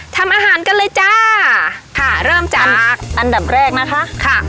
ทำอาหารกันเลยจ้าค่ะเริ่มจากอันดับแรกนะคะค่ะ